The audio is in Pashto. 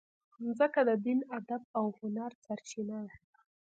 مځکه د دین، ادب او هنر سرچینه ده.